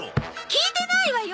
聞いてないわよ！